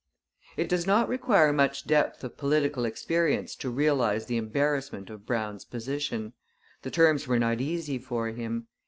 It does not require much depth of political experience to realize the embarrassment of Brown's position. The terms were not easy for him.